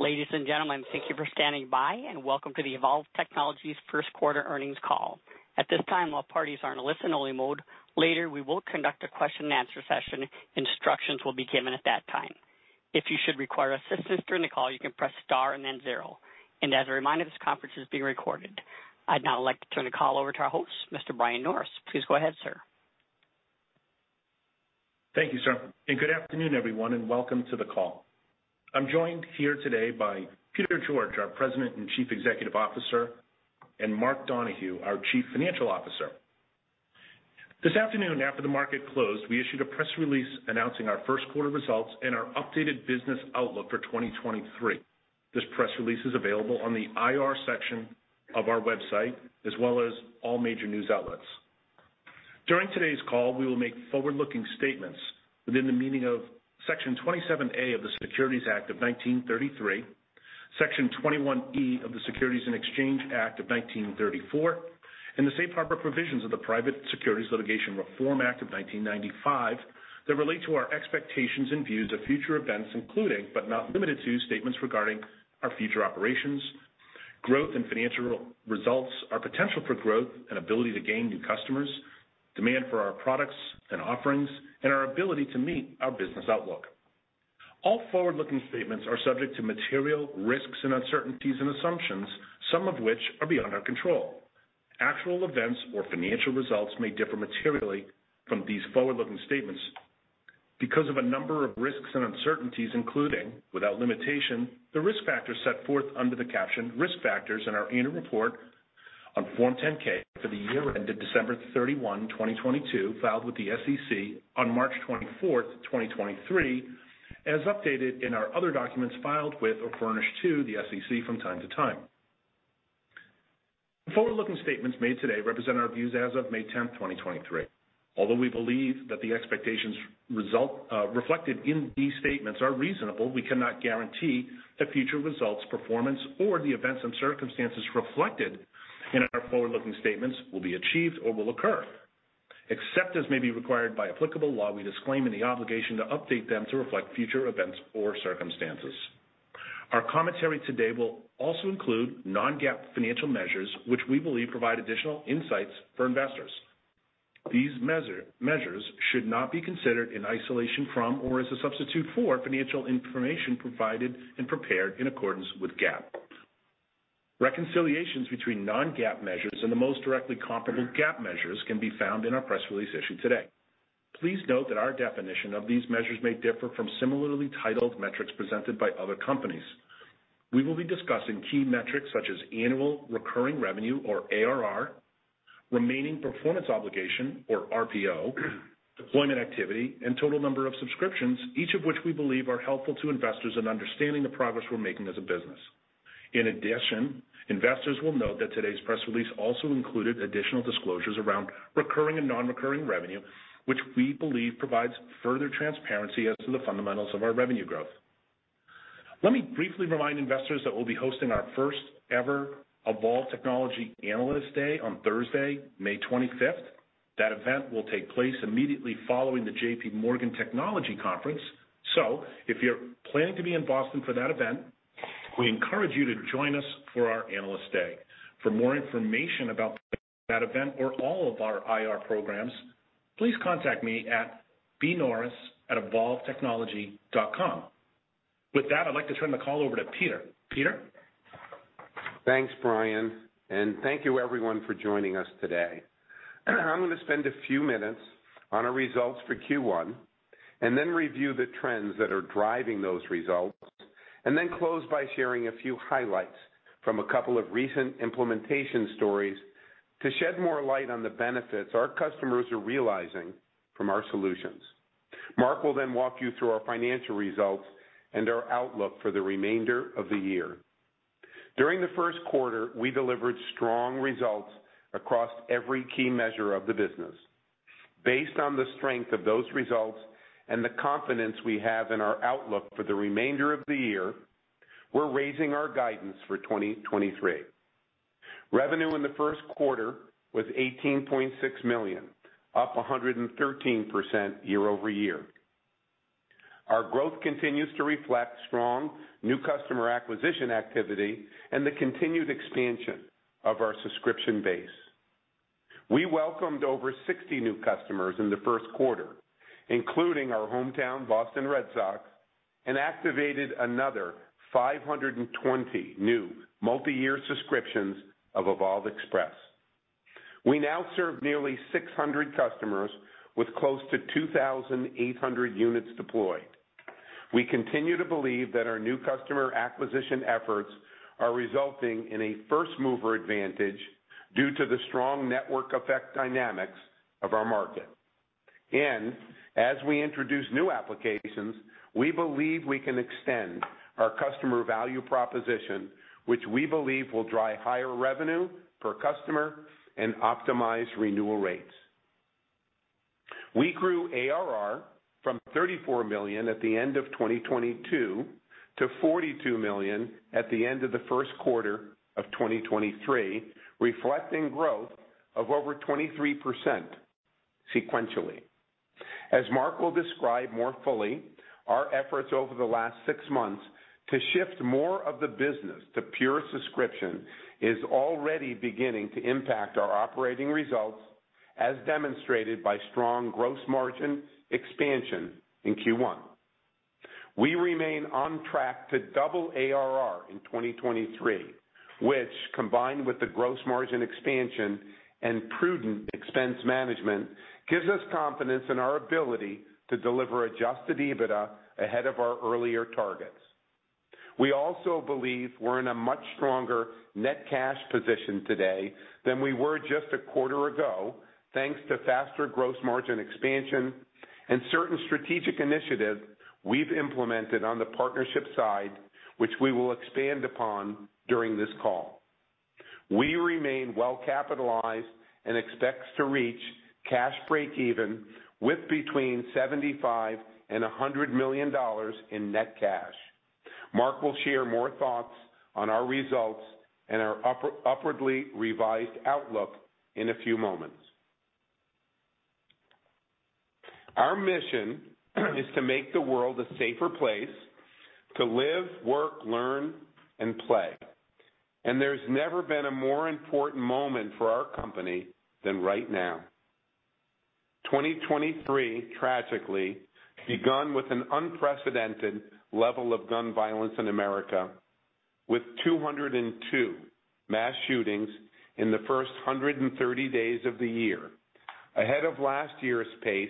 Ladies and gentlemen, thank you for standing by, and welcome to the Evolv Technologies first quarter earnings call. At this time, all parties are in a listen-only mode. Later, we will conduct a question-and-answer session. Instructions will be given at that time. If you should require assistance during the call, you can press star and then zero. As a reminder, this conference is being recorded. I'd now like to turn the call over to our host, Mr. Brian Norris. Please go ahead, sir. Thank you, sir. Good afternoon, everyone, and welcome to the call. I'm joined here today by Peter George, our President and Chief Executive Officer, and Mark Donohue, our Chief Financial Officer. This afternoon, after the market closed, we issued a press release announcing our first quarter results and our updated business outlook for 2023. This press release is available on the IR section of our website, as well as all major news outlets. During today's call, we will make forward-looking statements within the meaning of Section 27A of the Securities Act of 1933, Section 21E of the Securities Exchange Act of 1934, and the safe harbor provisions of the Private Securities Litigation Reform Act of 1995 that relate to our expectations and views of future events, including, but not limited to, statements regarding our future operations, growth and financial results, our potential for growth and ability to gain new customers, demand for our products and offerings, and our ability to meet our business outlook. All forward-looking statements are subject to material risks and uncertainties and assumptions, some of which are beyond our control. Actual events or financial results may differ materially from these forward-looking statements because of a number of risks and uncertainties, including, without limitation, the risk factors set forth under the caption Risk Factors in our annual report on Form 10-K for the year ended December 31, 2022, filed with the SEC on March 24th, 2023, as updated in our other documents filed with or furnished to the SEC from time to time. The forward-looking statements made today represent our views as of May 10th, 2023. Although we believe that the expectations result, reflected in these statements are reasonable, we cannot guarantee that future results, performance, or the events and circumstances reflected in our forward-looking statements will be achieved or will occur. Except as may be required by applicable law, we disclaim any obligation to update them to reflect future events or circumstances. Our commentary today will also include non-GAAP financial measures, which we believe provide additional insights for investors. These measures should not be considered in isolation from or as a substitute for financial information provided and prepared in accordance with GAAP. Reconciliations between non-GAAP measures and the most directly comparable GAAP measures can be found in our press release issued today. Please note that our definition of these measures may differ from similarly titled metrics presented by other companies. We will be discussing key metrics such as annual recurring revenue or ARR, remaining performance obligation or RPO, deployment activity, and total number of subscriptions, each of which we believe are helpful to investors in understanding the progress we're making as a business. In addition, investors will note that today's press release also included additional disclosures around recurring and non-recurring revenue, which we believe provides further transparency as to the fundamentals of our revenue growth. Let me briefly remind investors that we'll be hosting our first ever Evolv Technology Analyst Day on Thursday, May 25th. That event will take place immediately following the JPMorgan Technology Conference. If you're planning to be in Boston for that event, we encourage you to join us for our Analyst Day. For more information about that event or all of our IR programs, please contact me at bnorris@evolvetechnology.com. With that, I'd like to turn the call over to Peter. Peter? Thanks, Brian. Thank you everyone for joining us today. I'm gonna spend a few minutes on our results for Q1, and then review the trends that are driving those results, and then close by sharing a few highlights from a couple of recent implementation stories to shed more light on the benefits our customers are realizing from our solutions. Mark will then walk you through our financial results and our outlook for the remainder of the year. During the first quarter, we delivered strong results across every key measure of the business. Based on the strength of those results and the confidence we have in our outlook for the remainder of the year, we're raising our guidance for 2023. Revenue in the first quarter was $18.6 million, up 113% year-over-year. Our growth continues to reflect strong new customer acquisition activity and the continued expansion of our subscription base. We welcomed over 60 new customers in the first quarter, including our hometown Boston Red Sox, and activated another 520 new multiyear subscriptions of Evolv Express. We now serve nearly 600 customers with close to 2,800 units deployed. We continue to believe that our new customer acquisition efforts are resulting in a first-mover advantage due to the strong network effect dynamics of our market. As we introduce new applications, we believe we can extend our customer value proposition, which we believe will drive higher revenue per customer and optimize renewal rates. We grew ARR from $34 million at the end of 2022 to $42 million at the end of the first quarter of 2023, reflecting growth of over 23% sequentially. As Mark will describe more fully, our efforts over the last six months to shift more of the business to pure subscription is already beginning to impact our operating results, as demonstrated by strong gross margin expansion in Q1. We remain on track to double ARR in 2023, which, combined with the gross margin expansion and prudent expense management, gives us confidence in our ability to deliver adjusted EBITDA ahead of our earlier targets. We also believe we're in a much stronger net cash position today than we were just a quarter ago, thanks to faster gross margin expansion and certain strategic initiatives we've implemented on the partnership side, which we will expand upon during this call. We remain well-capitalized and expect to reach cash breakeven with between $75 million and $100 million in net cash. Mark will share more thoughts on our results and our upwardly revised outlook in a few moments. Our mission is to make the world a safer place to live, work, learn, and play. There's never been a more important moment for our company than right now. 2023 tragically begun with an unprecedented level of gun violence in America, with 202 mass shootings in the first 130 days of the year, ahead of last year's pace,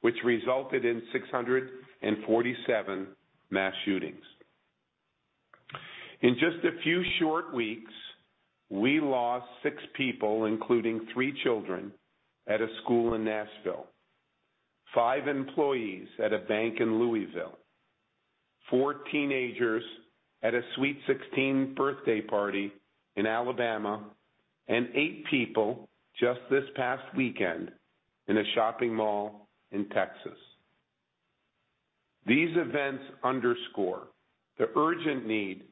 which resulted in 647 mass shootings. In just a few short weeks, we lost six people, including three children, at a school in Nashville, five employees at a bank in Louisville, four teenagers at a sweet 16 birthday party in Alabama, and eight people just this past weekend in a shopping mall in Texas. These events underscore the urgent need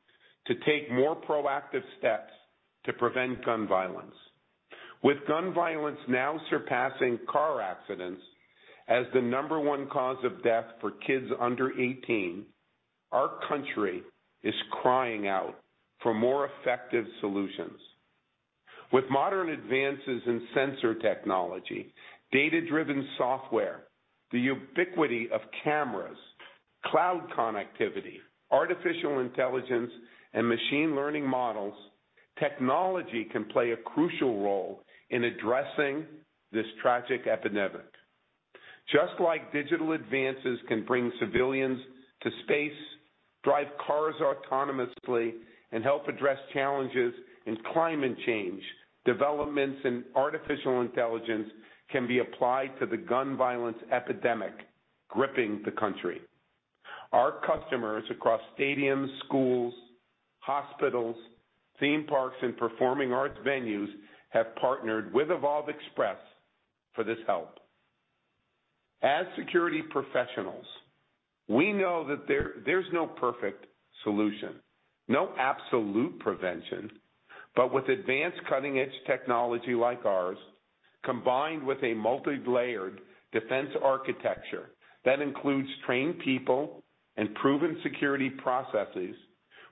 to take more proactive steps to prevent gun violence. With gun violence now surpassing car accidents as the number one cause of death for kids under 18, our country is crying out for more effective solutions. With modern advances in sensor technology, data-driven software, the ubiquity of cameras, cloud connectivity, artificial intelligence, and machine learning models, technology can play a crucial role in addressing this tragic epidemic. Just like digital advances can bring civilians to space, drive cars autonomously, and help address challenges in climate change, developments in artificial intelligence can be applied to the gun violence epidemic gripping the country. Our customers across stadiums, schools, hospitals, theme parks, and performing arts venues have partnered with Evolv Express for this help. As security professionals, we know that there's no perfect solution, no absolute prevention, but with advanced cutting-edge technology like ours, combined with a multilayered defense architecture that includes trained people and proven security processes,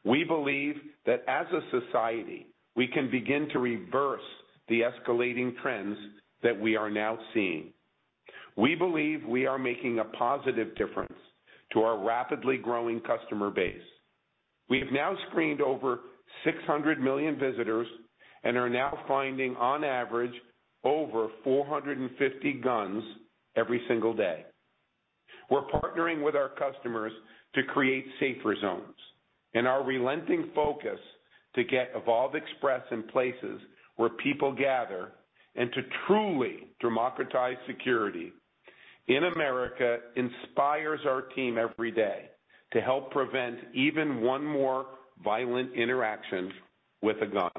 we believe that as a society, we can begin to reverse the escalating trends that we are now seeing. We believe we are making a positive difference to our rapidly growing customer base. We have now screened over 600 million visitors and are now finding on average, over 450 guns every single day. We're partnering with our customers to create safer zones, and our relenting focus to get Evolv Express in places where people gather and to truly democratize security in America inspires our team every day to help prevent even one more violent interaction with a gun.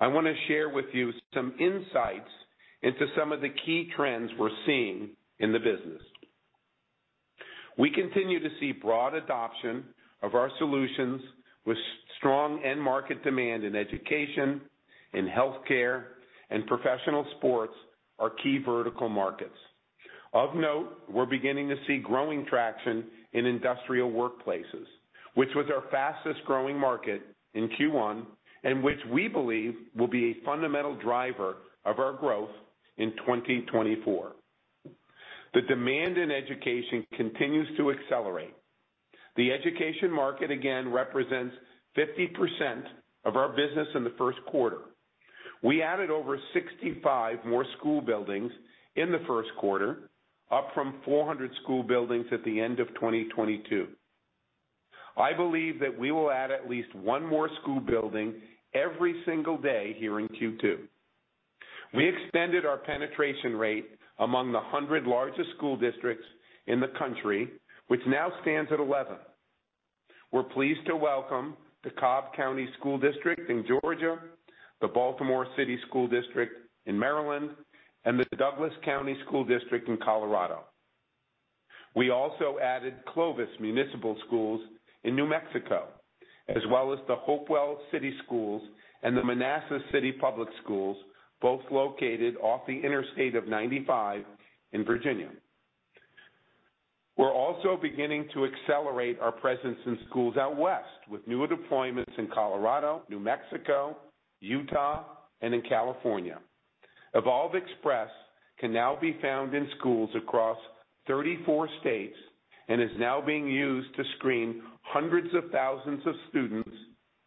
I want to share with you some insights into some of the key trends we're seeing in the business. We continue to see broad adoption of our solutions with strong end market demand in education, in healthcare, and professional sports are key vertical markets. Of note, we're beginning to see growing traction in industrial workplaces, which was our fastest-growing market in Q1, and which we believe will be a fundamental driver of our growth in 2024. The demand in education continues to accelerate. The education market again represents 50% of our business in the first quarter. We added over 65 more school buildings in the first quarter, up from 400 school buildings at the end of 2022. I believe that we will add at least one more school building every single day here in Q2. We extended our penetration rate among the 100 largest school districts in the country, which now stands at 11. We're pleased to welcome the Cobb County School District in Georgia, the Baltimore City Public Schools in Maryland, and the Douglas County School District in Colorado. We also added Clovis Municipal Schools in New Mexico, as well as the Hopewell City Public Schools and the Manassas City Public Schools, both located off Interstate 95 in Virginia. We're also beginning to accelerate our presence in schools out west with newer deployments in Colorado, New Mexico, Utah, and in California. Evolv Express can now be found in schools across 34 states and is now being used to screen hundreds of thousands of students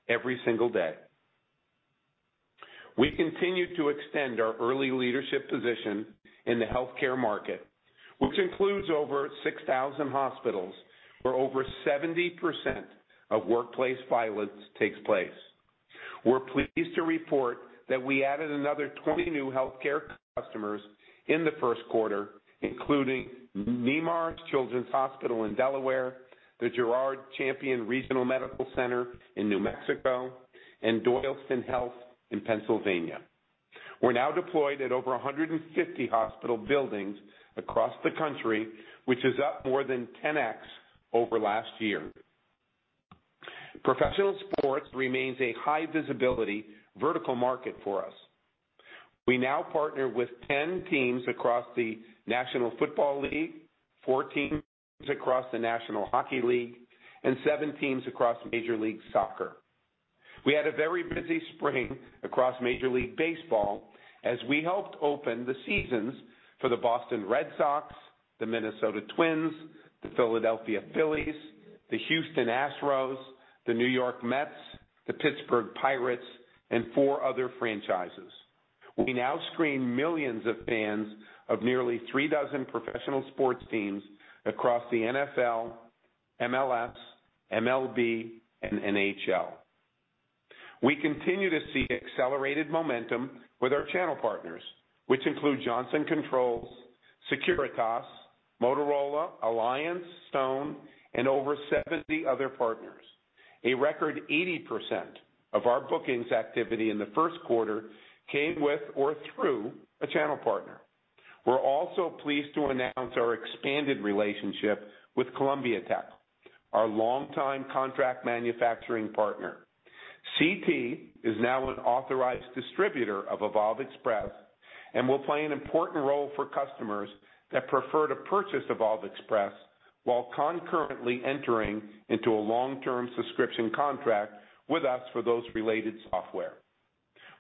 every single day. We continue to extend our early leadership position in the healthcare market, which includes over 6,000 hospitals where over 70% of workplace violence takes place. We're pleased to report that we added another 20 new healthcare customers in the first quarter, including Nemours Children's Hospital, Delaware, the Gerald Champion Regional Medical Center in New Mexico, and Doylestown Health in Pennsylvania. We're now deployed at over 150 hospital buildings across the country, which is up more than 10x over last year. Professional sports remains a high-visibility vertical market for us. We now partner with 10 teams across the National Football League, four teams across the National Hockey League, and seven teams across Major League Soccer. We had a very busy spring across Major League Baseball as we helped open the seasons for the Boston Red Sox, the Minnesota Twins, the Philadelphia Phillies, the Houston Astros, the New York Mets, the Pittsburgh Pirates, and four other franchises. We now screen millions of fans of nearly three dozen professional sports teams across the NFL, MLS, MLB, and NHL. We continue to see accelerated momentum with our channel partners, which include Johnson Controls, Securitas, Motorola, Alliance, Stone, and over 70 other partners. A record 80% of our bookings activity in the first quarter came with or through a channel partner. We're also pleased to announce our expanded relationship with Columbia Tech, our longtime contract manufacturing partner. CT is now an authorized distributor of Evolv Express, and will play an important role for customers that prefer to purchase Evolv Express while concurrently entering into a long-term subscription contract with us for those related software.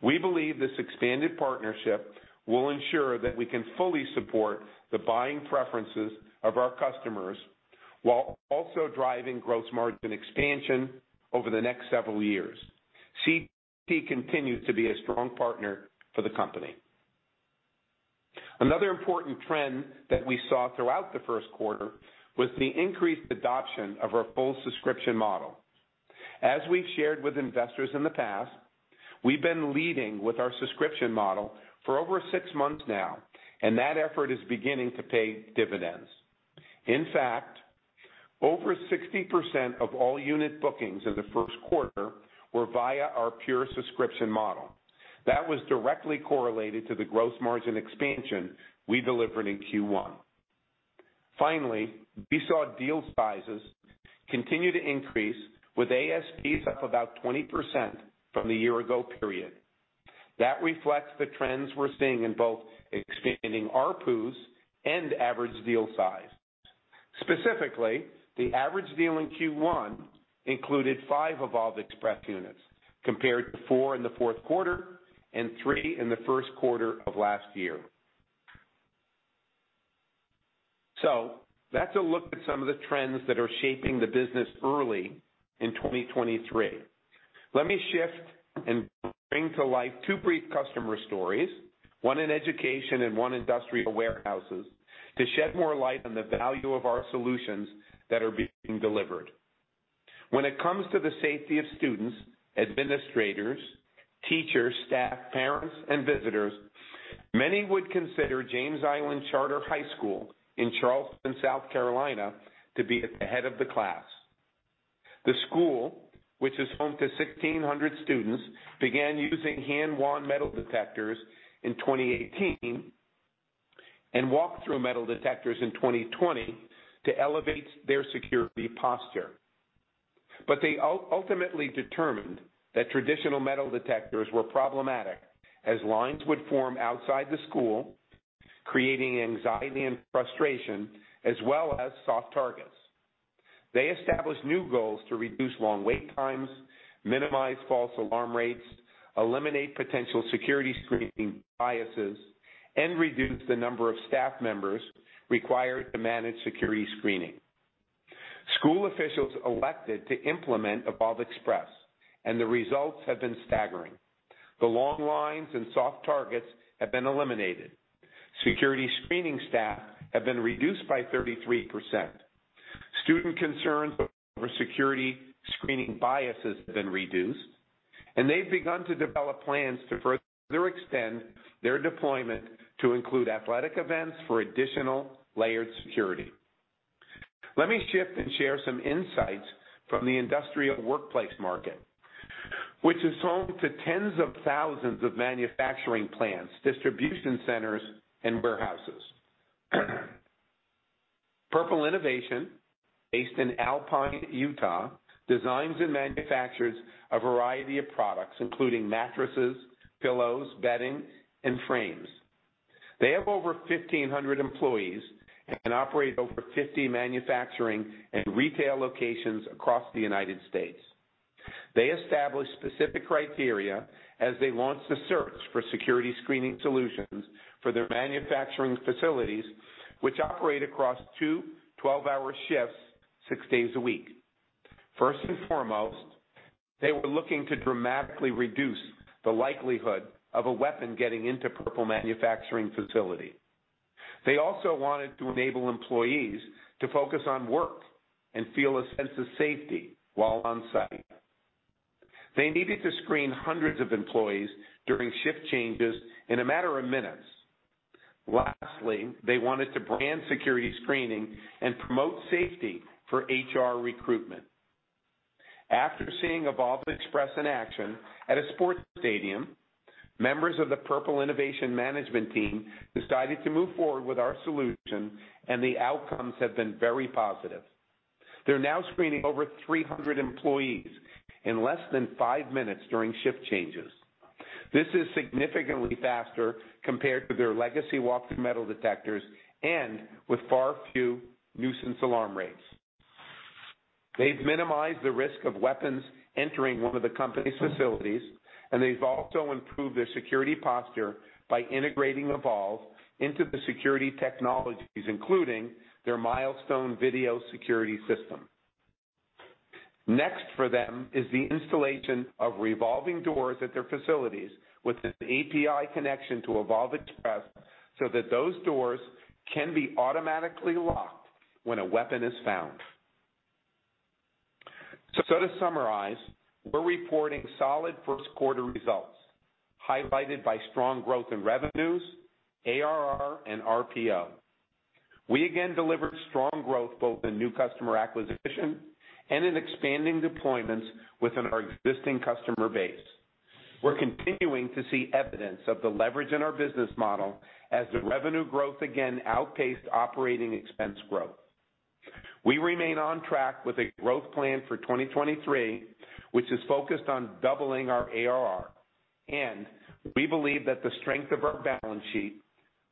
We believe this expanded partnership will ensure that we can fully support the buying preferences of our customers while also driving gross margin expansion over the next several years. CT continues to be a strong partner for the company. Important trend that we saw throughout the first quarter was the increased adoption of our full subscription model. As we've shared with investors in the past, we've been leading with our subscription model for over six months now, that effort is beginning to pay dividends. In fact, over 60% of all unit bookings in the first quarter were via our pure subscription model. That was directly correlated to the gross margin expansion we delivered in Q1. We saw deal sizes continue to increase with ASPs up about 20% from the year ago period. That reflects the trends we're seeing in both expanding ARPU and average deal size. Specifically, the average deal in Q1 included five Evolv Express units compared to four in the fourth quarter and three in the first quarter of last year. That's a look at some of the trends that are shaping the business early in 2023. Let me shift and bring to life two brief customer stories, one in education and one industrial warehouses, to shed more light on the value of our solutions that are being delivered. When it comes to the safety of students, administrators, teachers, staff, parents, and visitors, many would consider James Island Charter High School in Charleston, South Carolina, to be at the head of the class. The school, which is home to 1,600 students, began using hand-wand metal detectors in 2018 and walk-through metal detectors in 2020 to elevate their security posture. They ultimately determined that traditional metal detectors were problematic as lines would form outside the school, creating anxiety and frustration as well as soft targets. They established new goals to reduce long wait times, minimize false alarm rates, eliminate potential security screening biases, and reduce the number of staff members required to manage security screening. School officials elected to implement Evolv Express. The results have been staggering. The long lines and soft targets have been eliminated. Security screening staff have been reduced by 33%. Student concerns over security screening biases have been reduced. They've begun to develop plans to further extend their deployment to include athletic events for additional layered security. Let me shift and share some insights from the industrial workplace market, which is home to tens of thousands of manufacturing plants, distribution centers and warehouses. Purple Innovation, based in Alpine, Utah, designs and manufactures a variety of products including mattresses, pillows, bedding, and frames. They have over 1,500 employees and operate over 50 manufacturing and retail locations across the United States. They established specific criteria as they launched a search for security screening solutions for their manufacturing facilities, which operate across two 12-hour shifts, six days a week. First and foremost, they were looking to dramatically reduce the likelihood of a weapon getting into Purple Innovation manufacturing facility. They also wanted to enable employees to focus on work and feel a sense of safety while on site. They needed to screen hundreds of employees during shift changes in a matter of minutes. Lastly, they wanted to brand security screening and promote safety for HR recruitment. After seeing Evolv Express in action at a sports stadium, members of the Purple Innovation management team decided to move forward with our solution. The outcomes have been very positive. They're now screening over 300 employees in less than five minutes during shift changes. This is significantly faster compared to their legacy walk through metal detectors and with far few nuisance alarm rates. They've minimized the risk of weapons entering one of the company's facilities, and they've also improved their security posture by integrating Evolv into the security technologies, including their Milestone Video Security System. Next for them is the installation of revolving doors at their facilities with an API connection to Evolv Express so that those doors can be automatically locked when a weapon is found. To summarize, we're reporting solid first quarter results, highlighted by strong growth in revenues, ARR and RPO. We again delivered strong growth both in new customer acquisition and in expanding deployments within our existing customer base. We're continuing to see evidence of the leverage in our business model as the revenue growth again outpaced operating expense growth. We remain on track with a growth plan for 2023, which is focused on doubling our ARR. We believe that the strength of our balance sheet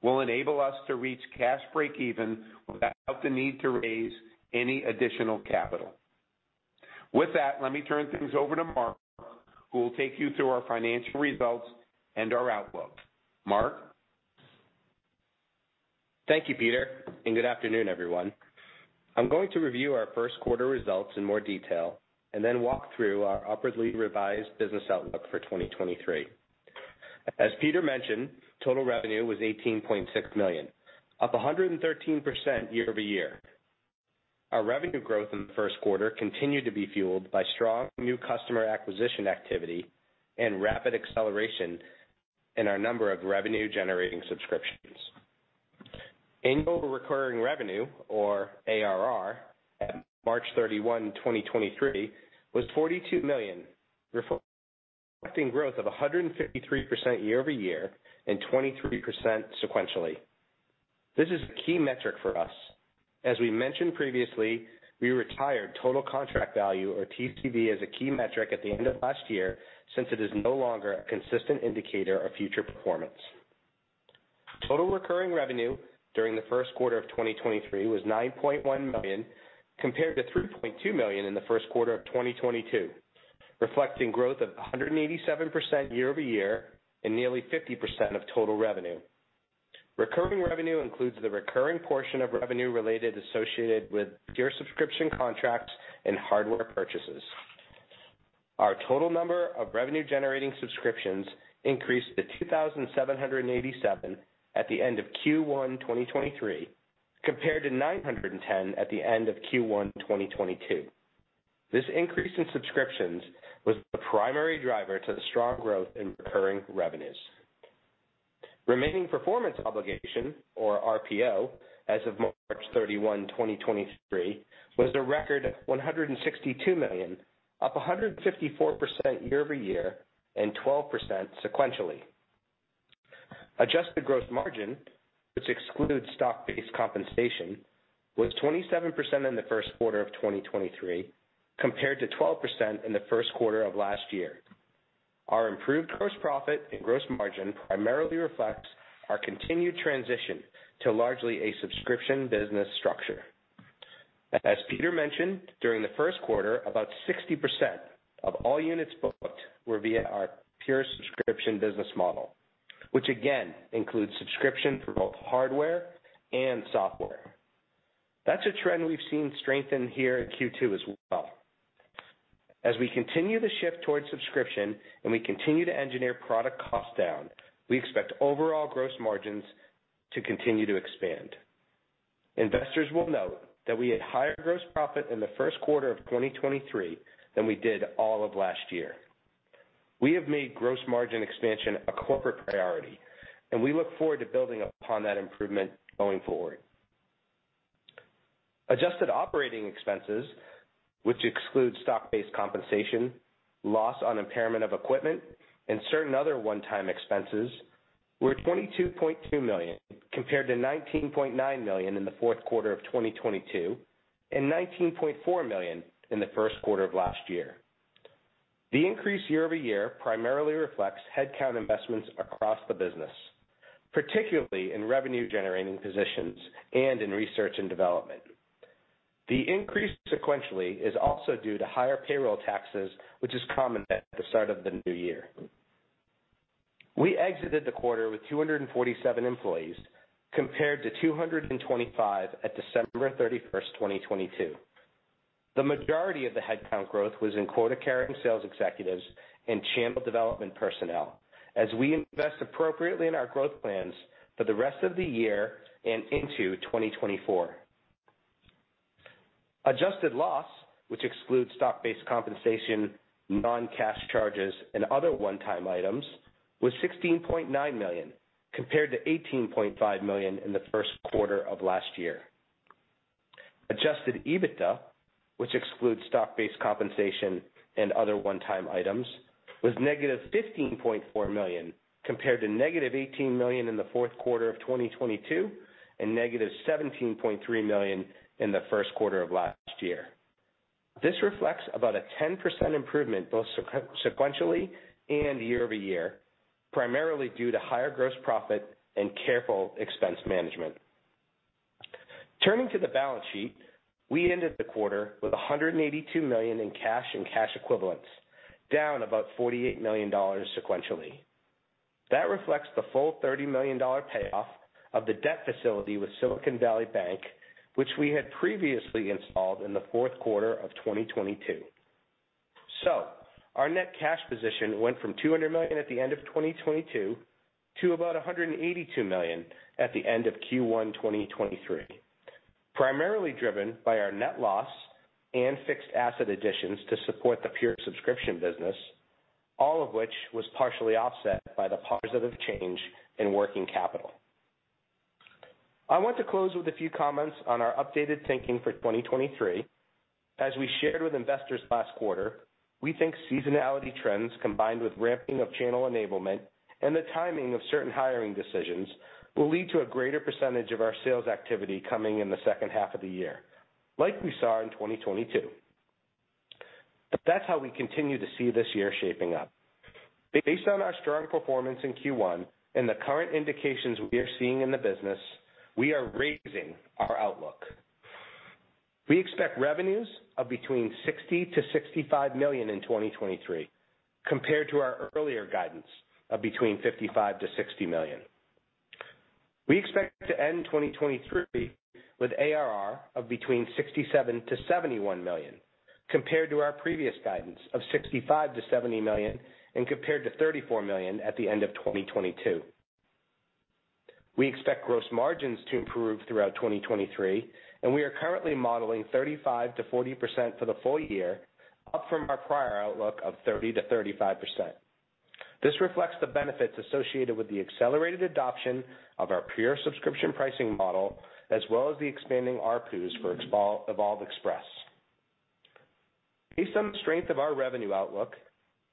will enable us to reach cash breakeven without the need to raise any additional capital. With that, let me turn things over to Mark, who will take you through our financial results and our outlook. Mark? Thank you, Peter, and good afternoon, everyone. I'm going to review our first quarter results in more detail and then walk through our upwardly revised business outlook for 2023. As Peter mentioned, total revenue was $18.6 million, up 113% year-over-year. Our revenue growth in the first quarter continued to be fueled by strong new customer acquisition activity and rapid acceleration in our number of revenue generating subscriptions. Annual recurring revenue or ARR at March 31, 2023, was $42 million, reflecting growth of 153% year-over-year and 23% sequentially. This is a key metric for us. As we mentioned previously, we retired total contract value or TCV as a key metric at the end of last year since it is no longer a consistent indicator of future performance. Total recurring revenue during the first quarter of 2023 was $9.1 million, compared to $3.2 million in the first quarter of 2022, reflecting growth of 187% year-over-year and nearly 50% of total revenue. Recurring revenue includes the recurring portion of revenue related associated with pure subscription contracts and hardware purchases. Our total number of revenue generating subscriptions increased to 2,787 at the end of Q1, 2023, compared to 910 at the end of Q1, 2022. This increase in subscriptions was the primary driver to the strong growth in recurring revenues. Remaining performance obligation or RPO as of March 31, 2023 was a record $162 million, up 154% year-over-year, and 12% sequentially. Adjusted gross margin, which excludes stock-based compensation, was 27% in the first quarter of 2023, compared to 12% in the first quarter of last year. Our improved gross profit and gross margin primarily reflects our continued transition to largely a subscription business structure. As Peter mentioned, during the first quarter, about 60% of all units booked were via our pure subscription business model, which again includes subscription for both hardware and software. That's a trend we've seen strengthen here in Q2 as well. We continue to shift towards subscription and we continue to engineer product cost down, we expect overall gross margins to continue to expand. Investors will note that we had higher gross profit in the first quarter of 2023 than we did all of last year. We have made gross margin expansion a corporate priority. We look forward to building upon that improvement going forward. Adjusted operating expenses, which excludes stock-based compensation, loss on impairment of equipment, and certain other one-time expenses, were $22.2 million, compared to $19.9 million in the fourth quarter of 2022, and $19.4 million in the first quarter of last year. The increase year-over-year primarily reflects headcount investments across the business, particularly in revenue-generating positions and in research and development. The increase sequentially is also due to higher payroll taxes, which is common at the start of the new year. We exited the quarter with 247 employees, compared to 225 at December 31st, 2022. The majority of the headcount growth was in quota-carrying sales executives and channel development personnel, as we invest appropriately in our growth plans for the rest of the year and into 2024. Adjusted loss, which excludes stock-based compensation, non-cash charges, and other one-time items, was $16.9 million, compared to $18.5 million in the first quarter of last year. Adjusted EBITDA, which excludes stock-based compensation and other one-time items, was negative $15.4 million, compared to negative $18 million in the fourth quarter of 2022, and negative $17.3 million in the first quarter of last year. This reflects about a 10% improvement both sequentially and year-over-year, primarily due to higher gross profit and careful expense management. Turning to the balance sheet, we ended the quarter with $182 million in cash and cash equivalents, down about $48 million sequentially. That reflects the full $30 million payoff of the debt facility with Silicon Valley Bank, which we had previously installed in the fourth quarter of 2022. Our net cash position went from $200 million at the end of 2022 to about $182 million at the end of Q1, 2023, primarily driven by our net loss and fixed asset additions to support the pure subscription business, all of which was partially offset by the positive change in working capital. I want to close with a few comments on our updated thinking for 2023. As we shared with investors last quarter, we think seasonality trends, combined with ramping of channel enablement and the timing of certain hiring decisions, will lead to a greater percentage of our sales activity coming in the second half of the year, like we saw in 2022. That's how we continue to see this year shaping up. Based on our strong performance in Q1 and the current indications we are seeing in the business, we are raising our outlook. We expect revenues of between $60 million-$65 million in 2023, compared to our earlier guidance of between $55 million-$60 million. We expect to end 2023 with ARR of between $67 million-$71 million, compared to our previous guidance of $65 million-$70 million, and compared to $34 million at the end of 2022. We expect gross margins to improve throughout 2023, and we are currently modeling 35%-40% for the full year, up from our prior outlook of 30%-35%. This reflects the benefits associated with the accelerated adoption of our pure subscription pricing model, as well as the expanding ARPU for Evolv Express. Based on the strength of our revenue outlook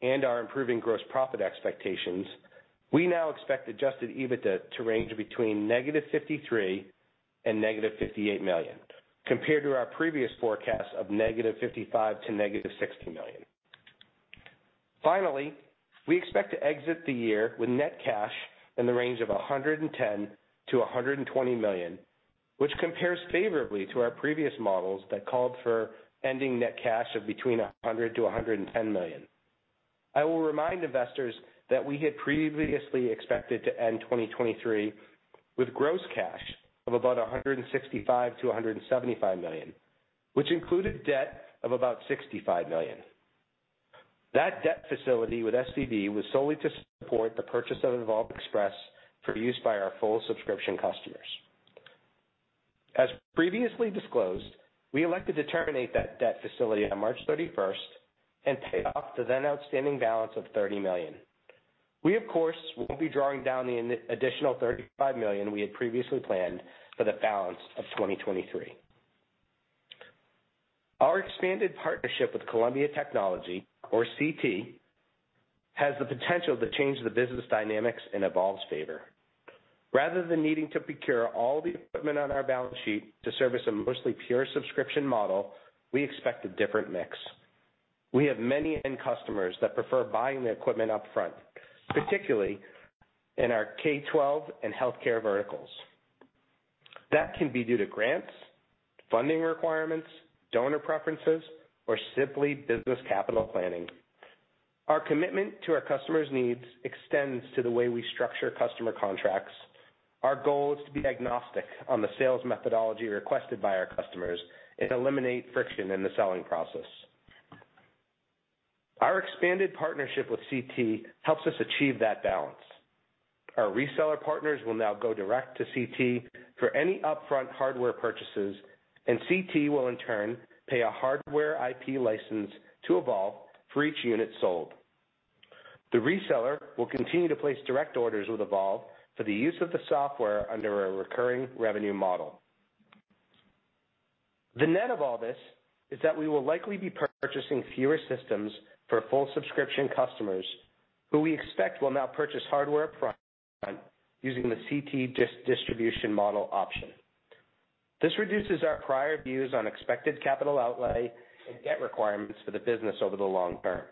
and our improving gross profit expectations, we now expect adjusted EBITDA to range between -$53 million and -$58 million, compared to our previous forecast of -$55 million to -$60 million. Finally, we expect to exit the year with net cash in the range of $110 million-$120 million, which compares favorably to our previous models that called for ending net cash of between $100 million-$110 million. I will remind investors that we had previously expected to end 2023 with gross cash of about $165 million-$175 million, which included debt of about $65 million. That debt facility with SVB was solely to support the purchase of Evolv Express for use by our full subscription customers. As previously disclosed, we elected to terminate that debt facility on March 31st and pay off the then outstanding balance of $30 million. We, of course, won't be drawing down the additional $35 million we had previously planned for the balance of 2023. Our expanded partnership with Columbia Tech, or CT, has the potential to change the business dynamics in Evolv's favor. Rather than needing to procure all the equipment on our balance sheet to service a mostly pure subscription model, we expect a different mix. We have many end customers that prefer buying the equipment upfront, particularly in our K-12 and healthcare verticals. That can be due to grants, funding requirements, donor preferences, or simply business capital planning. Our commitment to our customers' needs extends to the way we structure customer contracts. Our goal is to be agnostic on the sales methodology requested by our customers and eliminate friction in the selling process. Our expanded partnership with CT helps us achieve that balance. Our reseller partners will now go direct to CT for any upfront hardware purchases, and CT will, in turn, pay a hardware IP license to Evolv for each unit sold. The reseller will continue to place direct orders with Evolv for the use of the software under a recurring revenue model. The net of all this is that we will likely be purchasing fewer systems for full subscription customers who we expect will now purchase hardware upfront using the CT distribution model option. This reduces our prior views on expected capital outlay and debt requirements for the business over the long term.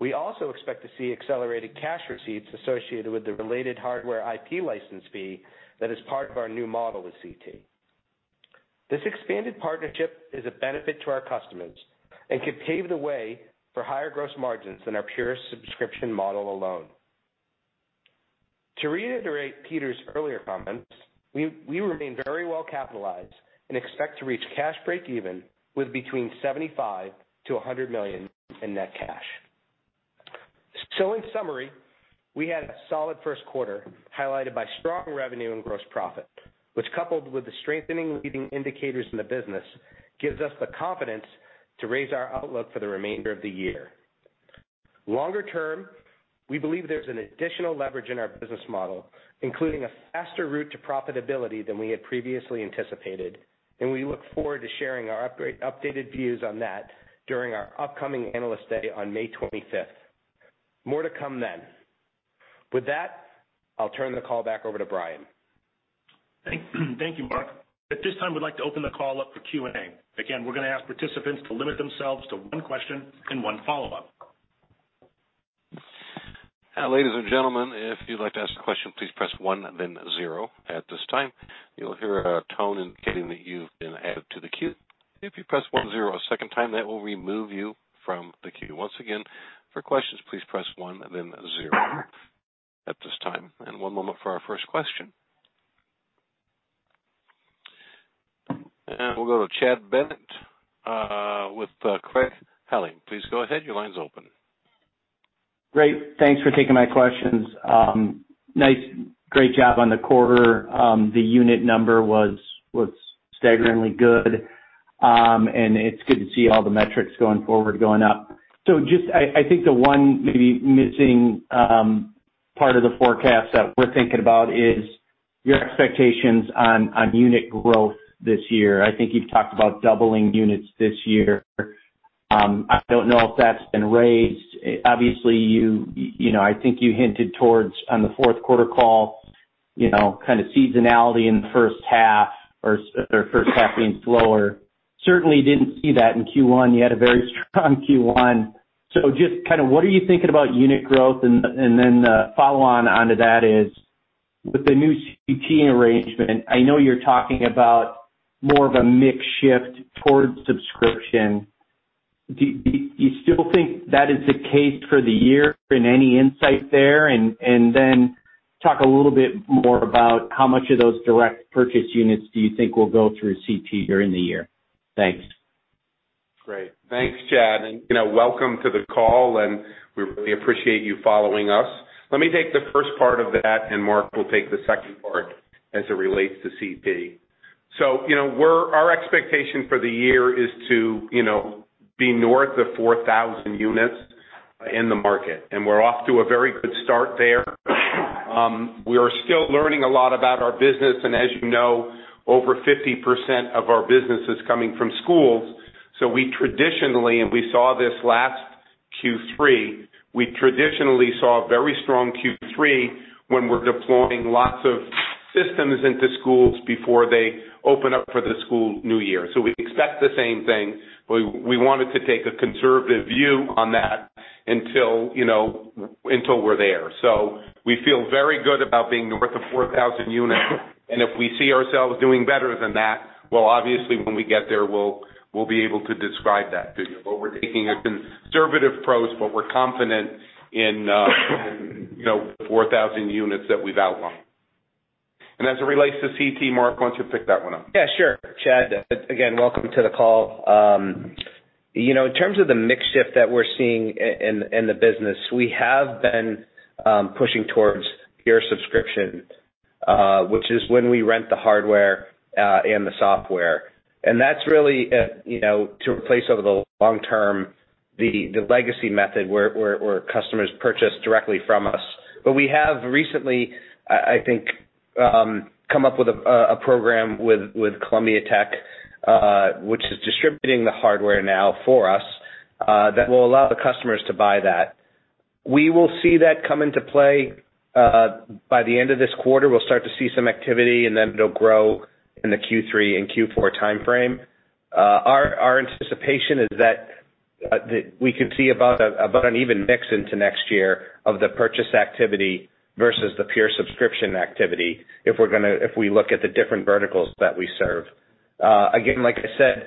We also expect to see accelerated cash receipts associated with the related hardware IP license fee that is part of our new model with CT. This expanded partnership is a benefit to our customers and could pave the way for higher gross margins than our pure subscription model alone. To reiterate Peter's earlier comments, we remain very well capitalized and expect to reach cash break even with between $75 million-$100 million in net cash. In summary, we had a solid first quarter highlighted by strong revenue and gross profit, which coupled with the strengthening leading indicators in the business, gives us the confidence to raise our outlook for the remainder of the year. Longer term, we believe there's an additional leverage in our business model, including a faster route to profitability than we had previously anticipated, and we look forward to sharing our updated views on that during our upcoming Analyst Day on May 25th. More to come then. With that, I'll turn the call back over to Brian. Thank you, Mark. At this time, we'd like to open the call up for Q&A. Again, we're gonna ask participants to limit themselves to one question and one follow-up. Ladies and gentlemen, if you'd like to ask a question, please press star and then zero at this time. You'll hear a tone indicating that you've been added to the queue. If you press one zero a second time, that will remove you from the queue. Once again, for questions, please press one and then zero at this time. One moment for our first question. We'll go to Chad Bennett, with Craig-Hallum. Please go ahead. Your line's open. Great. Thanks for taking my questions. Nice, great job on the quarter. The unit number was staggeringly good. It's good to see all the metrics going forward going up. I think the one maybe missing part of the forecast that we're thinking about is your expectations on unit growth this year. I think you've talked about doubling units this year. I don't know if that's been raised. Obviously, you know, I think you hinted towards, on the fourth quarter call, you know, kinda seasonality in the first half or first half being slower. Certainly didn't see that in Q1. You had a very strong Q1. What are you thinking about unit growth? Then the follow-on onto that is, with the new Columbia Tech arrangement, I know you're talking about more of a mix shift towards subscription. Do you still think that is the case for the year and any insight there? Then talk a little bit more about how much of those direct purchase units do you think will go through Columbia Tech during the year? Thanks. Great. Thanks, Chad. You know, welcome to the call, and we really appreciate you following us. Let me take the first part of that, and Mark will take the second part as it relates to CT. You know, our expectation for the year is to, you know, be north of 4,000 units in the market, and we're off to a very good start there. We are still learning a lot about our business, and as you know, over 50% of our business is coming from schools. We traditionally, and we saw this last Q3, we traditionally saw a very strong Q3 when we're deploying lots of systems into schools before they open up for the school new year. We expect the same thing. We wanted to take a conservative view on that until, you know, until we're there. We feel very good about being north of 4,000 units. If we see ourselves doing better than that, well, obviously when we get there, we'll be able to describe that to you. We're taking a conservative approach, but we're confident in, you know, 4,000 units that we've outlined. As it relates to CT, Mark, why don't you pick that one up? Yeah, sure. Chad, again, welcome to the call. You know, in terms of the mix shift that we're seeing in the business, we have been pushing towards peer subscription, which is when we rent the hardware and the software. That's really, you know, to replace over the long term, the legacy method where customers purchase directly from us. We have recently, I think, come up with a program with Columbia Tech, which is distributing the hardware now for us, that will allow the customers to buy that. We will see that come into play by the end of this quarter. We'll start to see some activity, and then it'll grow in the Q3 and Q4 timeframe. Our anticipation is that we could see about an even mix into next year of the purchase activity versus the peer subscription activity if we look at the different verticals that we serve. Again, like I said,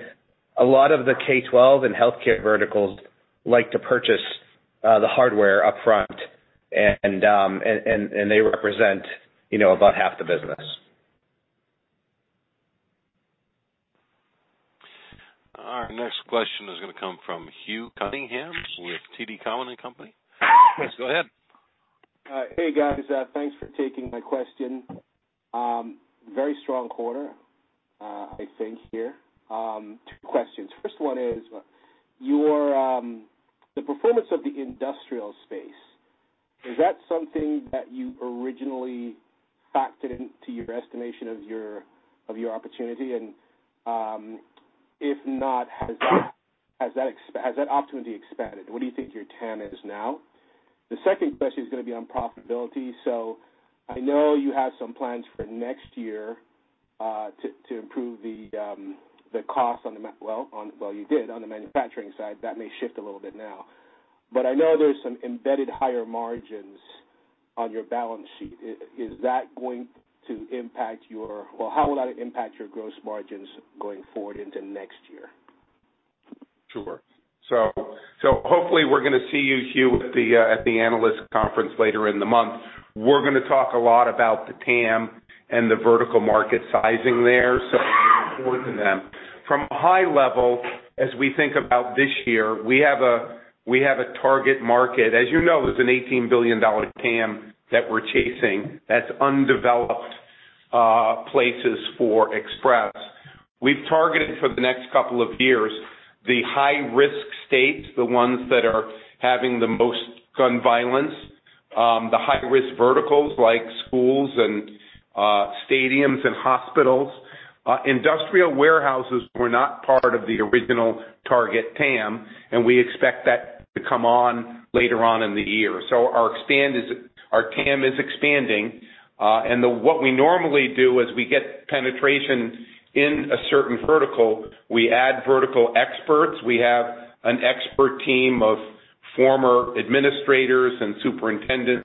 a lot of the K-12 and healthcare verticals like to purchase the hardware upfront. They represent, you know, about half the business. Our next question is gonna come from Hugh Cunningham with TD Cowen. Please go ahead. Hey guys, thanks for taking my question. Very strong quarter, I think here. Two questions. First one is your, the performance of the industrial space, is that something that you originally factored into your estimation of your opportunity? If not, has that opportunity expanded? What do you think your TAM is now? The second question is going to be on profitability. I know you have some plans for next year to improve the cost on the manufacturing side. That may shift a little bit now. I know there's some embedded higher margins on your balance sheet. How will that impact your gross margins going forward into next year? Sure. Hopefully we're gonna see you, Hugh, at the Analyst conference later in the month. We're gonna talk a lot about the TAM and the vertical market sizing there, so looking forward to them. From a high level, as we think about this year, we have a target market. As you know, there's an $18 billion TAM that we're chasing that's undeveloped places for Express. We've targeted for the next couple of years the high risk states, the ones that are having the most gun violence, the high risk verticals like schools and stadiums and hospitals. Industrial warehouses were not part of the original target TAM, and we expect that to come on later on in the year. Our TAM is expanding. The, what we normally do is we get penetration in a certain vertical. We add vertical experts. We have an expert team of former administrators and superintendents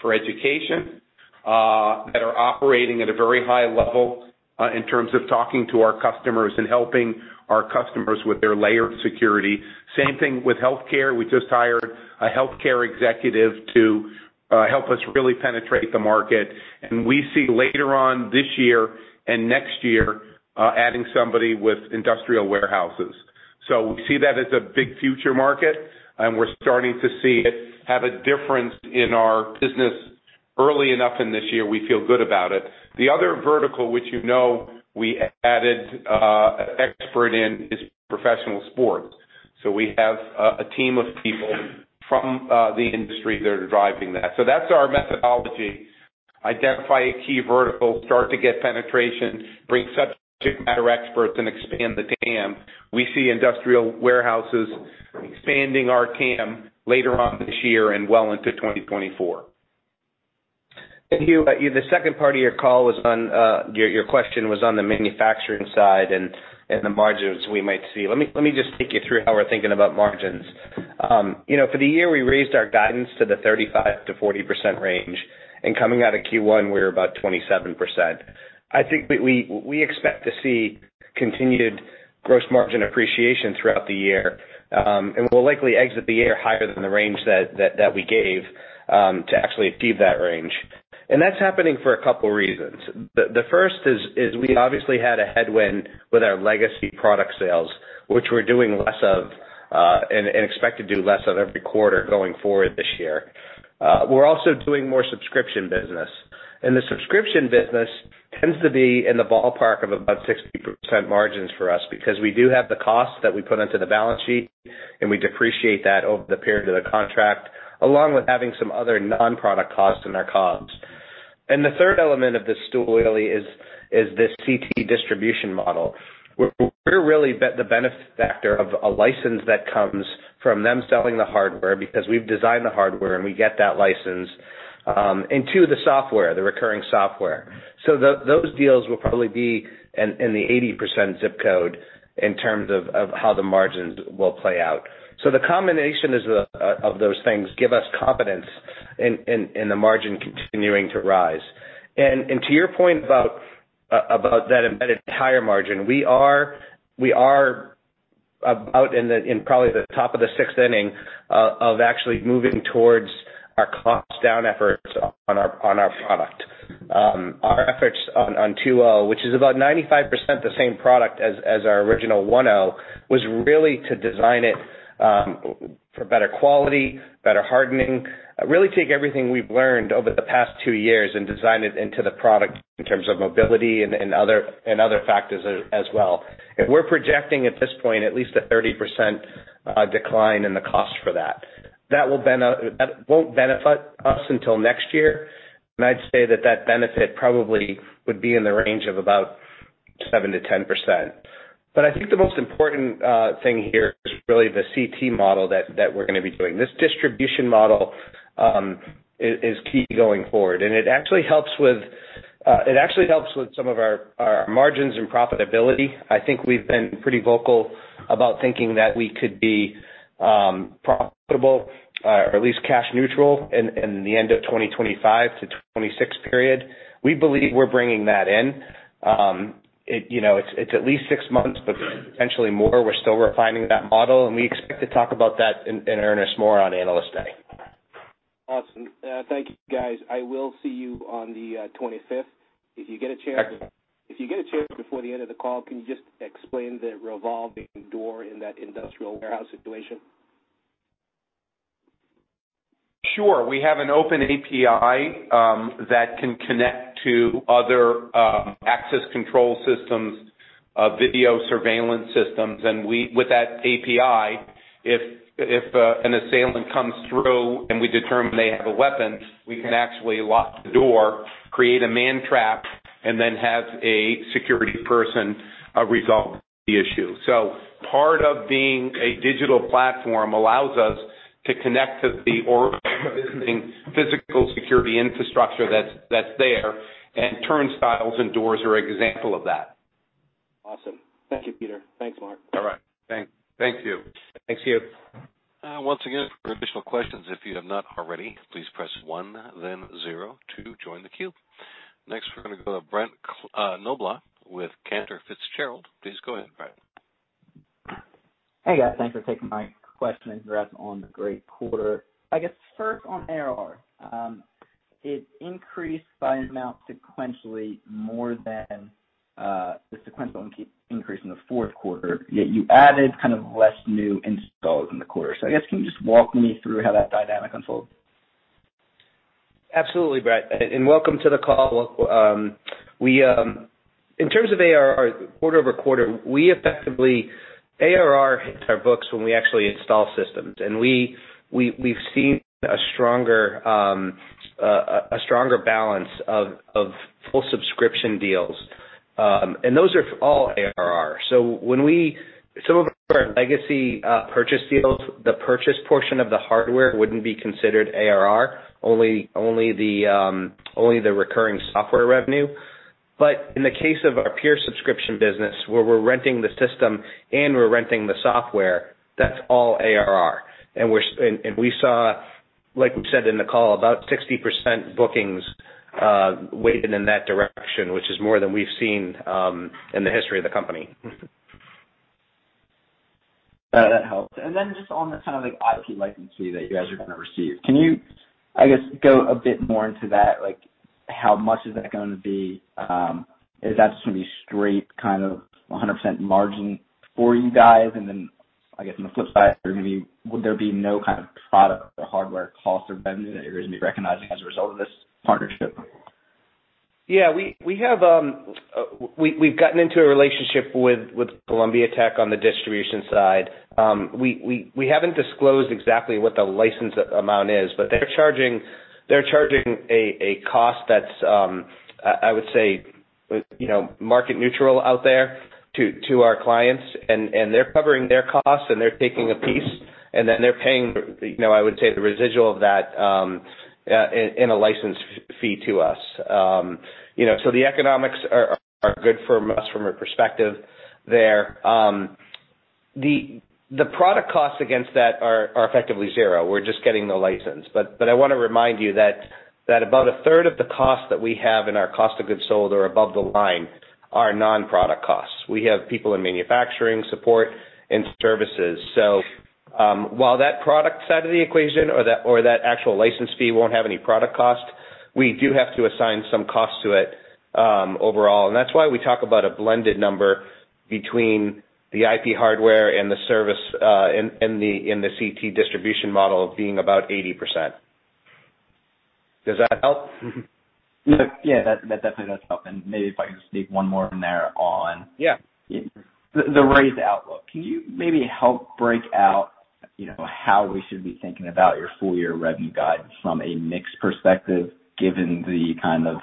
for education that are operating at a very high level in terms of talking to our customers and helping our customers with their layer of security. Same thing with healthcare. We just hired a healthcare executive to help us really penetrate the market, and we see later on this year and next year adding somebody with industrial warehouses. So we see that as a big future market, and we're starting to see it have a difference in our business early enough in this year. We feel good about it. The other vertical, which you know we added expert in, is professional sports. We have a team of people from the industry that are driving that. That's our methodology. Identify a key vertical, start to get penetration, bring subject matter experts, and expand the TAM. We see industrial warehouses expanding our TAM later on this year and well into 2024. Hugh, the second part of your call was on your question was on the manufacturing side and the margins we might see. Let me just take you through how we're thinking about margins. You know, for the year, we raised our guidance to the 35%-40% range, and coming out of Q1, we're about 27%. I think we expect to see continued gross margin appreciation throughout the year, and we'll likely exit the year higher than the range that we gave to actually exceed that range. That's happening for a couple reasons. The first is we obviously had a headwind with our legacy product sales, which we're doing less of, and expect to do less of every quarter going forward this year. We're also doing more subscription business, and the subscription business tends to be in the ballpark of about 60% margins for us because we do have the cost that we put into the balance sheet, and we depreciate that over the period of the contract, along with having some other non-product costs in our COGS`. The third element of this story really is this CT distribution model, where we're really the benefactor of a license that comes from them selling the hardware because we've designed the hardware, and we get that license, and two, the software, the recurring software. Those deals will probably be in the 80% zip code in terms of how the margins will play out. The combination of those things give us confidence in the margin continuing to rise. To your point about that embedded higher margin, we are about in the, in probably the top of the sixth inning of actually moving towards our cost down efforts on our product. Our efforts on 2.0, which is about 95% the same product as our original 1.0, was really to design it for better quality, better hardening, really take everything we've learned over the past two years and design it into the product in terms of mobility and other factors as well. We're projecting at this point at least a 30% decline in the cost for that. That won't benefit us until next year, and I'd say that that benefit probably would be in the range of about 7%-10%. I think the most important thing here is really the CT model that we're going to be doing. This distribution model is key going forward, and it actually helps with some of our margins and profitability. I think we've been pretty vocal about thinking that we could be profitable or at least cash neutral in the end of 2025-2026 period. We believe we're bringing that in. You know, it's at least six months, but potentially more. We're still refining that model, and we expect to talk about that in earnest more on Analyst Day. Awesome. Thank you guys. I will see you on the 25th. If you get a chance before the end of the call, can you just explain the revolving door in that industrial warehouse situation? Sure. We have an open API that can connect to other access control systems, video surveillance systems. With that API, if an assailant comes through and we determine they have a weapon, we can actually lock the door, create a man trap, and then have a security person resolve the issue. Part of being a digital platform allows us to connect to the existing physical security infrastructure that's there, and turnstiles and doors are example of that. Awesome. Thank you, Peter. Thanks, Mark. All right. Thanks. Thank you. Thanks, you. Once again, for additional questions, if you have not already, please press one then zero to join the queue. Next, we're gonna go to Brett Knoblauch with Cantor Fitzgerald. Please go ahead, Brett. Hey, guys. Thanks for taking my question. Congrats on the great quarter. I guess first on ARR, it increased by an amount sequentially more than the sequential increase in the fourth quarter, yet you added kind of less new installs in the quarter. I guess can you just walk me through how that dynamic unfolds? Absolutely, Brett, welcome to the call. In terms of ARR quarter-over-quarter, ARR hits our books when we actually install systems. We've seen a stronger balance of full subscription deals, and those are all ARR. Some of our legacy purchase deals, the purchase portion of the hardware wouldn't be considered ARR, only the recurring software revenue. In the case of our pure subscription business, where we're renting the system and we're renting the software, that's all ARR. We saw, like we said in the call, about 60% bookings weighted in that direction, which is more than we've seen in the history of the company. That helps. Just on the kind of like IP licensee that you guys are gonna receive, can you, I guess, go a bit more into that? Like how much is that gonna be? Is that just gonna be straight kind of 100% margin for you guys? I guess on the flip side, would there be no kind of product or hardware cost or revenue that you're gonna be recognizing as a result of this partnership? Yeah. We have, we've gotten into a relationship with Columbia Tech on the distribution side. We haven't disclosed exactly what the license amount is, but they're charging a cost that's, I would say, you know, market neutral out there to our clients, and they're covering their costs, and they're taking a piece, and then they're paying, you know, I would say, the residual of that, in a license fee to us. You know, so the economics are good for us from a perspective there. The product costs against that are effectively zero. We're just getting the license. I wanna remind you that about a third of the cost that we have in our cost of goods sold or above the line are non-product costs. We have people in manufacturing, support, and services. While that product side of the equation or that actual license fee won't have any product cost, we do have to assign some cost to it overall. That's why we talk about a blended number between the IP hardware and the service in the CT distribution model being about 80%. Does that help? Mm-hmm. Yeah, that definitely does help. Maybe if I can sneak one more in there. Yeah. The raised outlook. Can you maybe help break out, you know, how we should be thinking about your full year revenue guidance from a mix perspective, given the kind of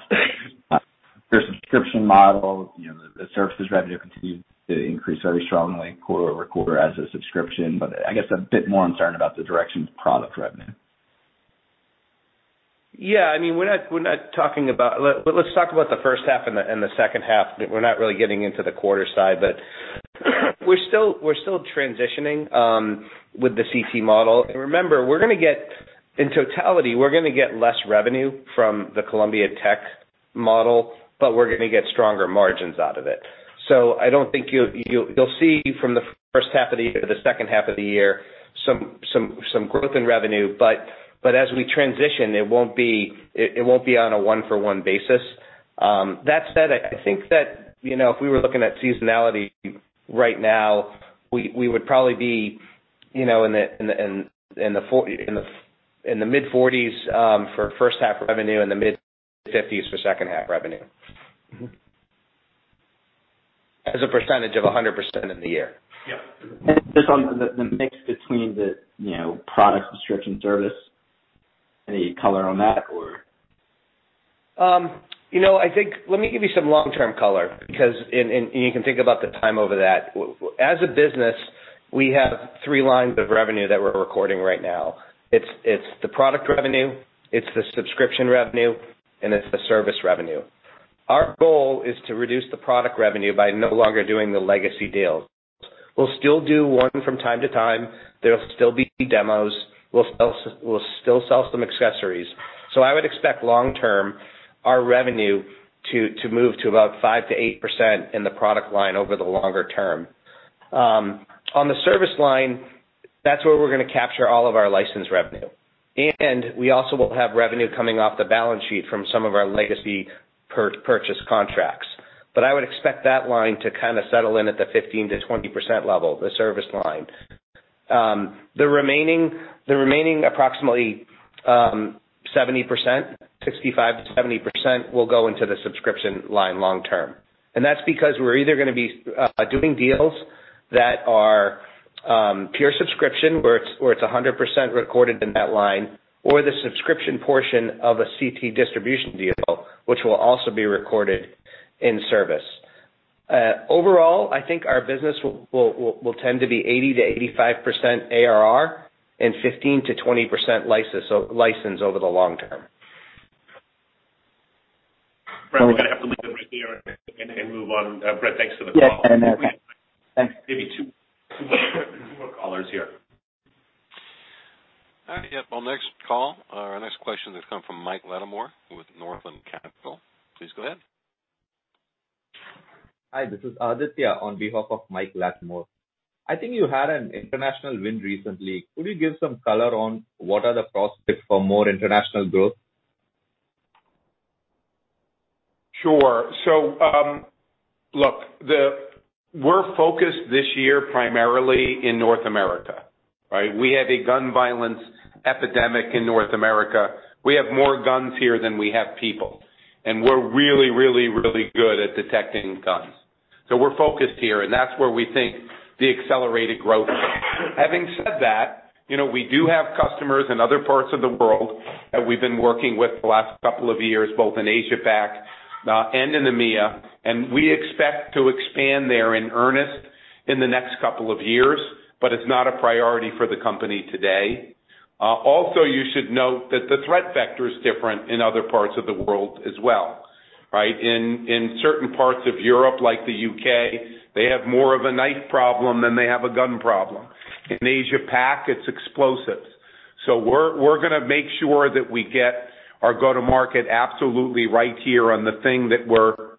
your subscription model, you know, the services revenue continued to increase very strongly quarter-over-quarter as a subscription, I guess I'm a bit more concerned about the direction of product revenue. I mean, we're not talking about. Let's talk about the first half and the second half. We're not really getting into the quarter side, but we're still transitioning with the CT model. Remember, in totality, we're gonna get less revenue from the Columbia Tech model, but we're gonna get stronger margins out of it. I don't think you'll see from the first half of the year to the second half of the year some growth in revenue, but as we transition, it won't be on a one-for-one basis. That said, I think that, you know, if we were looking at seasonality right now, we would probably be, you know, in the mid-$40s for first half revenue and the mid-$50s for second half revenue. Mm-hmm. As a percentage of 100% in the year. Yeah. Just on the mix between the, you know, product subscription service, any color on that or... You know, I think let me give you some long-term color because, and you can think about the time over that. As a business, we have three lines of revenue that we're recording right now. It's the product revenue, it's the subscription revenue, and it's the service revenue. Our goal is to reduce the product revenue by no longer doing the legacy deals. We'll still do one from time to time. There'll still be demos. We'll still sell some accessories. I would expect long term, our revenue to move to about 5%-8% in the product line over the longer term. On the service line, that's where we're gonna capture all of our license revenue. We also will have revenue coming off the balance sheet from some of our legacy purchase contracts. I would expect that line to kind of settle in at the 15%-20% level, the service line. The remaining approximately 70%, 65%-70% will go into the subscription line long term. That's because we're either gonna be doing deals that are pure subscription, where it's 100% recorded in that line, or the subscription portion of a CT distribution deal, which will also be recorded in service. Overall, I think our business will tend to be 80%-85% ARR and 15%-20% license over the long term. Brett, we're gonna have to leave it right here and move on. Brett, thanks for the call. Yes. Thanks. Maybe two more callers here. All right. Yep. Our next call or our next question has come from Mike Latimore with Northland Capital. Please go ahead. Hi, this is Aditya on behalf of Mike Latimore. I think you had an international win recently. Could you give some color on what are the prospects for more international growth? Sure. look, we're focused this year primarily in North America, right? We have a gun violence epidemic in North America. We have more guns here than we have people, and we're really, really, really good at detecting guns. We're focused here, and that's where we think the accelerated growth is. Having said that, you know, we do have customers in other parts of the world that we've been working with the last couple of years, both in Asia PAC and in EMEA, and we expect to expand there in earnest in the next couple of years, but it's not a priority for the company today. Also you should note that the threat vector is different in other parts of the world as well, right? In certain parts of Europe, like the U.K., they have more of a knife problem than they have a gun problem. In Asia PAC, it's explosives. We're gonna make sure that we get our go-to-market absolutely right here on the thing that we're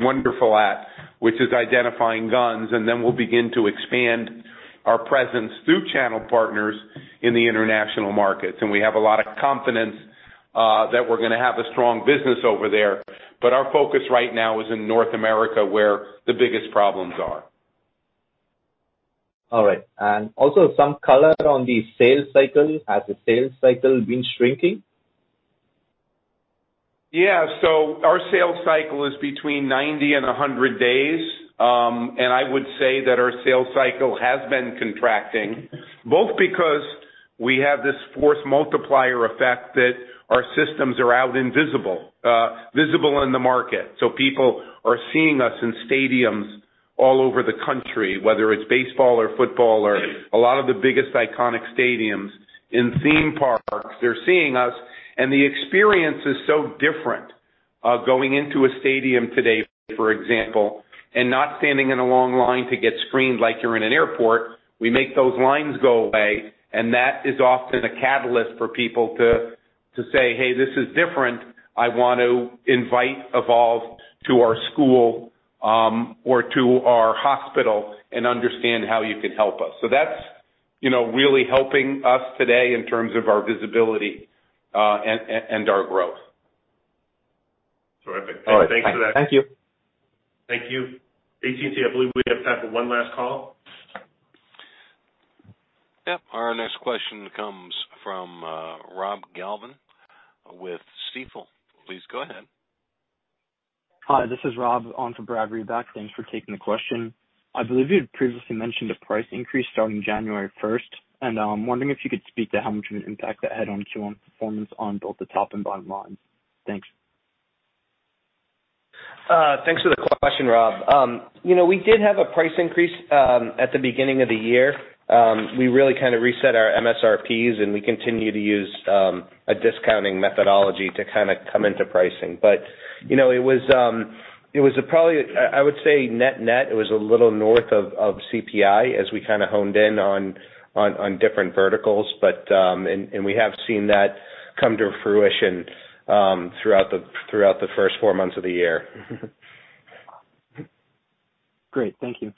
wonderful at, which is identifying guns, and then we'll begin to expand our presence through channel partners in the international markets. We have a lot of confidence that we're gonna have a strong business over there. Our focus right now is in North America, where the biggest problems are. All right. Also some color on the sales cycle. Has the sales cycle been shrinking? Yeah. Our sales cycle is between 90 and 100 days. I would say that our sales cycle has been contracting, both because we have this force multiplier effect that our systems are out and visible in the market. People are seeing us in stadiums all over the country, whether it's baseball or football or a lot of the biggest iconic stadiums. In theme parks, they're seeing us, and the experience is so different, going into a stadium today, for example, and not standing in a long line to get screened like you're in an airport. We make those lines go away, and that is often a catalyst for people to say, "Hey, this is different. I want to invite Evolv to our school, or to our hospital and understand how you can help us." That's, you know, really helping us today in terms of our visibility and our growth. Terrific. All right. Thanks for that. Thank you. Thank you. Operator, I believe we have time for one last call. Yep. Our next question comes from Rob Galvin with Stifel. Please go ahead. Hi, this is Rob on for Brad Reback. Thanks for taking the question. I believe you had previously mentioned a price increase starting January first, and wondering if you could speak to how much of an impact that had on Q1 performance on both the top and bottom lines. Thanks. Thanks for the question, Rob. You know, we did have a price increase at the beginning of the year. We really kinda reset our MSRPs, and we continue to use a discounting methodology to kinda come into pricing. You know, it was I would say net-net, it was a little north of CPI as we kinda honed in on different verticals. And we have seen that come to fruition throughout the first four months of the year. Great. Thank you.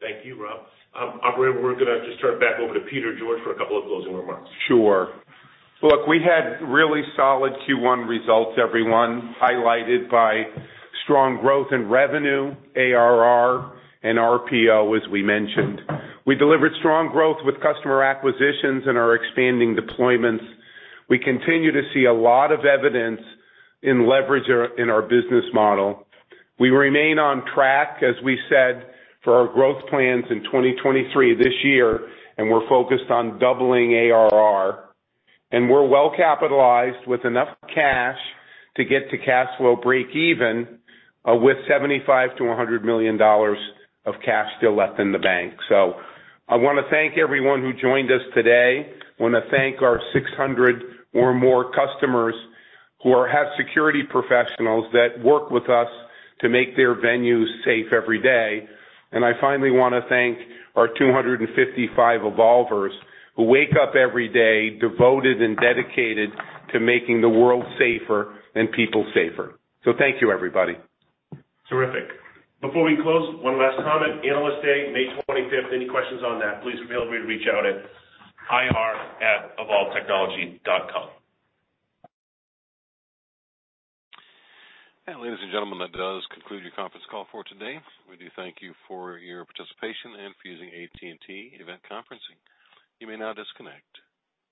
Thank you, Rob. Operator, we're gonna just turn it back over to Peter George for a couple of closing remarks. Sure. Look, we had really solid Q1 results, everyone, highlighted by strong growth in revenue, ARR and RPO, as we mentioned. We delivered strong growth with customer acquisitions and our expanding deployments. We continue to see a lot of evidence in leverage our, in our business model. We remain on track, as we said, for our growth plans in 2023 this year. We're focused on doubling ARR. We're well capitalized with enough cash to get to cash flow breakeven, with $75 million-$100 million of cash still left in the bank. I wanna thank everyone who joined us today. I wanna thank our 600 or more customers who have security professionals that work with us to make their venues safe every day. I finally wanna thank our 255 Evolvers who wake up every day devoted and dedicated to making the world safer and people safer. Thank you, everybody. Terrific. Before we close, one last comment. Analyst Day, May 25th. Any questions on that, please feel free to reach out at ir@evolvetechnology.com. Ladies and gentlemen, that does conclude your conference call for today. We do thank you for your participation and for using Operator Event Conferencing. You may now disconnect.